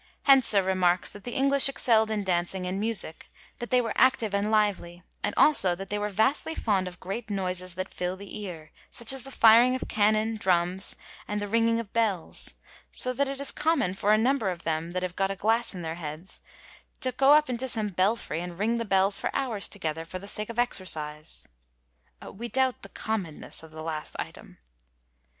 Hentzer remarks that the English exceld in dancing and music, that they were active and lively, and also that they were * vastly fond of great noises that fill the ear, such as the firing of cannon, drums, and the ringing of bells, so that it is common for a number of them, that have got a glass in their heads, to go up into some belfry, and ring the bells for hours together, for the sake of exercise.'^ (We doubt the commonness of the last item.)